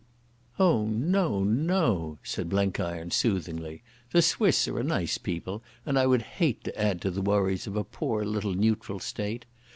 "Oh, no, no," said Blenkiron soothingly. "The Swiss are a nice people, and I would hate to add to the worries of a poor little neutral state....